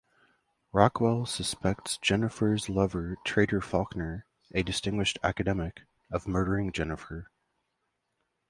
Rockwell suspects Jennifer's lover Trader Faulkner, a distinguished academic, of murdering Jennifer.